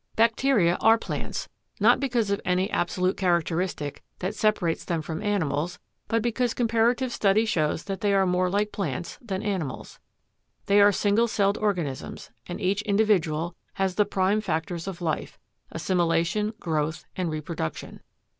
Bacteria are plants; not because of any absolute characteristic that separates them from animals, but because comparative study shows that they are more like plants than animals. They are single celled organisms and each individual has the prime factors of life, assimilation, growth and reproduction.